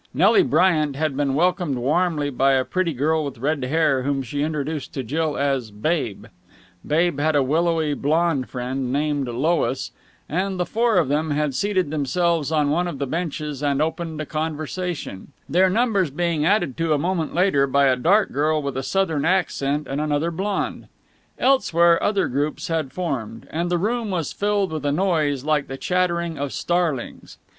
Nelly Bryant had been welcomed warmly by a pretty girl with red hair, whom she introduced to Jill as Babe; Babe had a willowy blonde friend, named Lois, and the four of them had seated themselves on one of the benches and opened a conversation; their numbers being added to a moment later by a dark girl with a Southern accent and another blonde. Elsewhere other groups had formed, and the room was filled with a noise like the chattering of starlings.